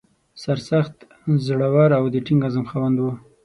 سرسخت، زړه ور او د ټینګ عزم خاوند و.